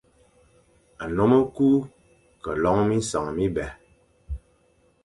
Nnôm e ku ke lon minseñ mibè.